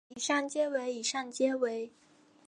以上皆为以上皆为